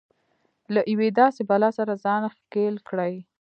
له يوې داسې بلا سره ځان ښکېل کړي.